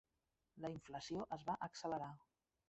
La inflació es va accelerar.